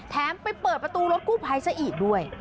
ไปเปิดประตูรถกู้ภัยซะอีกด้วย